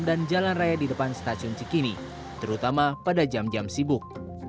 jalan raya di depan stasiun cikini terutama pada jam jam sibuk